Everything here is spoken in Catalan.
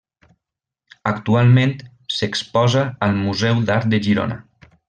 Actualment s'exposa al Museu d'Art de Girona.